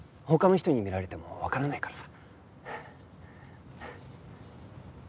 他の人に見られてもわからないからさ。